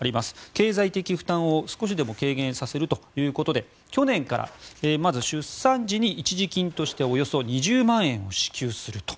経済的負担を少しでも軽減させるということで去年から出産時に一時金としておよそ２０万円を支給すると。